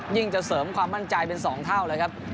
จะเสริมความมั่นใจเป็น๒เท่าเลยครับ